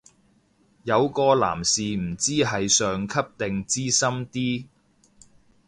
有個男士唔知係上級定資深啲